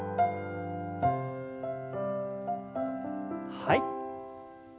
はい。